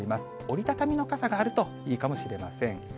折り畳みの傘があるといいかもしれません。